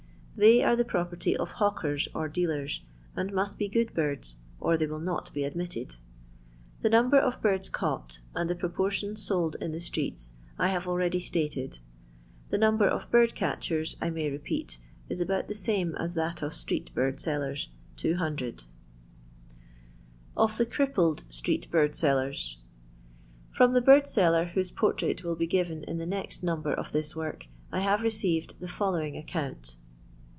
They are the pro perty of hawkers or dealers, and must be good birds, or they will not be admitted. The number of birds caught, and the propo^ tion sold in the streets, I have already stated. The number of bird catchers, I may repeat, ii about the same as that of street bird sellers, 200* Of tub Ckippled Staeet Bird Sellul FnoM the bird seller whose portrait will be given in the next number of this work I have received the following account.